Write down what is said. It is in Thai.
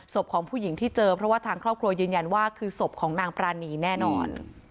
ของผู้หญิงที่เจอเพราะว่าทางครอบครัวยืนยันว่าคือศพของนางปรานีแน่นอน